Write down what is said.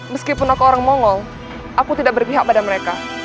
meskipun aku orang monggol aku tidak berpihak pada mereka